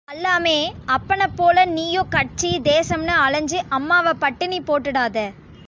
அல்லாமெ, அப்பனைப்போல நீயும் கட்சி, தேசம்னு அலைஞ்சு அம்மாவை பட்டினி போட்டுடாதே.